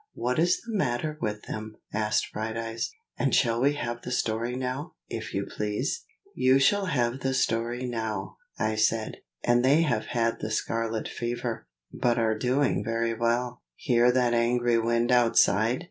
'" "What is the matter with them?" asked Brighteyes; "and shall we have the story now, if you please?" "You shall have the story now!" I said, "and they have had the scarlet fever, but are doing very well. Hear that angry Wind outside!